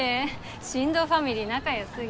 新堂ファミリー仲良すぎ。